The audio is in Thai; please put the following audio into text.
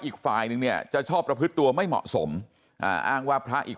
อีกฝ่ายนึงเนี่ยจะชอบประพฤติตัวไม่เหมาะสมอ่าอ้างว่าพระอีก